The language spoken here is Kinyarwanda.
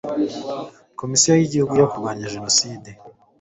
Komisiyo y Igihugu yo Kurwanya Jenoside